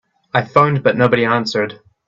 I phoned but nobody answered.